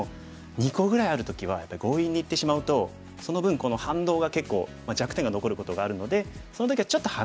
２個ぐらいある時はやっぱり強引にいってしまうとその分この反動が結構弱点が残ることがあるのでその時はちょっと離して。